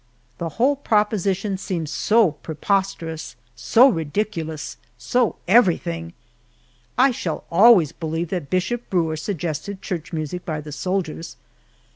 The whole proposition seemed so preposterous, so ridiculous, so everything! I shall always believe that Bishop Brewer suggested church music by the soldiers.